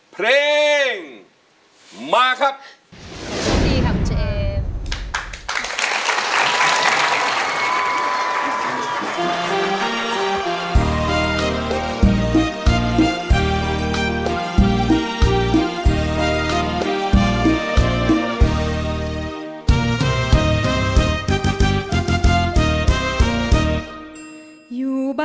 เพลงมาครับ